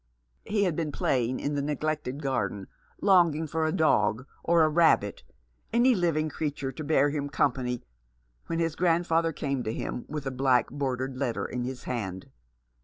He had been playing in the neglected garden, longing for a dog, or a rabbit, any living creature to bear him company, when his grandfather came to him with a black bordered letter in his hand.